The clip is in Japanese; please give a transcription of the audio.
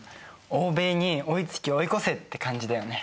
欧米に追いつき追い越せって感じだよね。